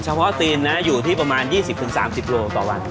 ตีนนะอยู่ที่ประมาณ๒๐๓๐โลต่อวัน